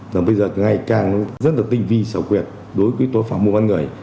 rồi bây giờ ngày càng nó rất là tinh vi sảo quyệt đối với tội phạm mua bán người